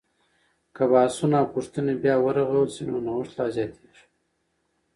که بحثونه او پوښتنې بیا ورغول سي، نو نوښت لا زیاتیږي.